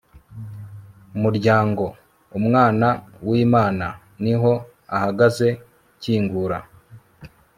muryango, umwana w'imana niho ahagaze, kingura